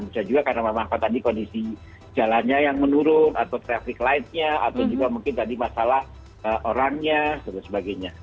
bisa juga karena memang tadi kondisi jalannya yang menurun atau traffic light nya atau juga mungkin tadi masalah orangnya dan sebagainya